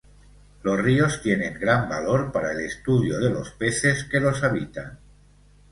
Los ríos tienen gran valor para el estudio de los peces que los habitan.